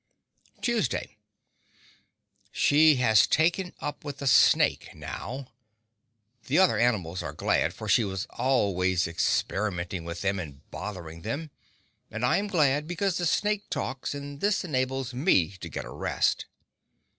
Tuesday She has taken up with a snake now. The other animals are glad, for she was always experimenting with them and bothering them; and I am glad, because the snake talks, and this enables me to get a rest.